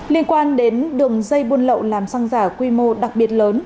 liên quan đến đường dây buôn lậu làm xăng giả quy mô đặc biệt lớn